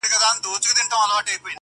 « په هجران کي غم د یار راسره مل دی!